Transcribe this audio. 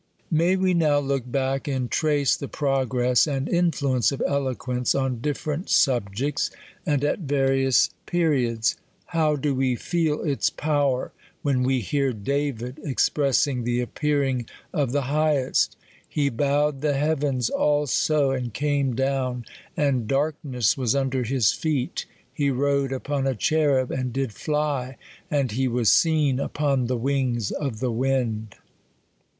May we now look back and trac6 the progress and nfluence of Eloquence on diiicrent subjects, and at varipns '%><; American PiTcep'or, p. 47. THE COLUMBIAN ORATOR. 283 various pei'iods ? How do we feel its power, when we hear David expressing the appearing of the Highest !" He bowed the heavens also, and came down, and darkness was under his feet ; he rode upon a cherub, and did fly, and he was seen upon the wings of the wind."'